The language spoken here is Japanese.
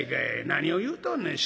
何を言うとんねん。